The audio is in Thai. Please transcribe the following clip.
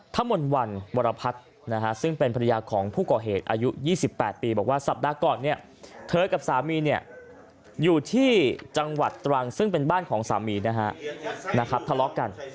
ถึงต้องหลบมีความใจของลูกพูด